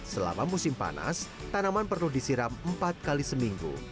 selama musim panas tanaman perlu disiram empat kali seminggu